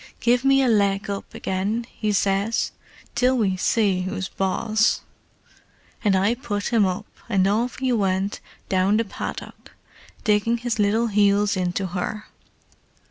'Give me a leg up again,' he says, 'till we see who's boss!' And I put him up, and off he went down the paddock, digging his little heels into her.